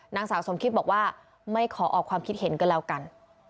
นางสาวสมคิตบอกว่าไม่ขอออกความคิดเห็นก็แล้วกัน